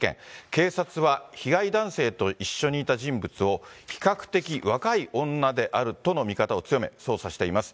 警察は被害男性と一緒にいた人物を、比較的若い女であるとの見方を強め、捜査しています。